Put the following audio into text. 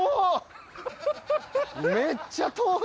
めっちゃ遠い。